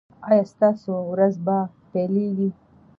ایا ستاسو ورځ به پیلیږي؟